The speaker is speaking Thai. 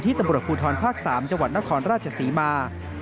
ที่ตำรวจภูทรภาค๓จนครราชสีมา